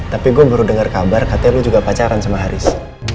tapi gua baru denger kabar katanya lo juga pacaran sama haris